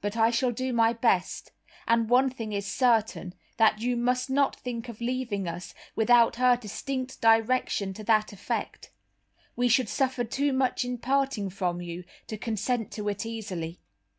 But I shall do my best; and one thing is certain, that you must not think of leaving us without her distinct direction to that effect. We should suffer too much in parting from you to consent to it easily."